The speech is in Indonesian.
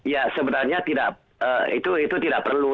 ya sebenarnya itu tidak perlu